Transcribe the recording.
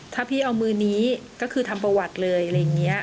ถ้าพี่เอามือนี้ก็คือทำประวัติเลย